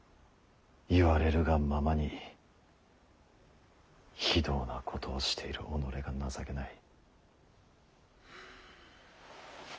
言われるがままに非道なことをしている己が情けない。